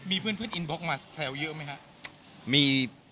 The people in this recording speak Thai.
มีเพื่อนอินบล็อกมาแซวเยอะไหมครับ